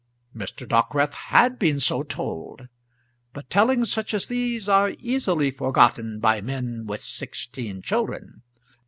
Mr. Dockwrath had been so told; but tellings such as these are easily forgotten by men with sixteen children.